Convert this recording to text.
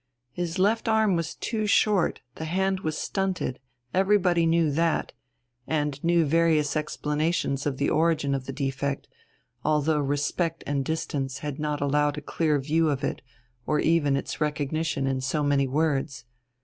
His left arm was too short, the hand was stunted, everybody knew that, and knew various explanations of the origin of the defect, although respect and distance had not allowed a clear view of it or even its recognition in so many words.